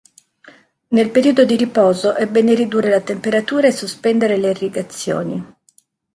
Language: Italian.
Nel periodo di riposo è bene ridurre la temperatura e sospendere le irrigazioni.